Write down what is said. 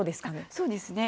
そうですね。